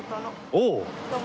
おお！